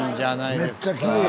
めっちゃきれいや！